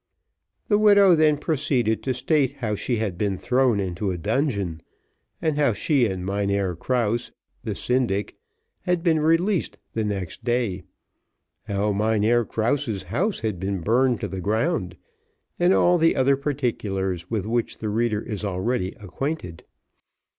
The widow then proceeded to state how she had been thrown into a dungeon, and how she and Mynheer Krause, the syndic, had been released the next day, how Mynheer Krause's house had been burnt to the ground, and all the other particulars with which the reader is already acquainted.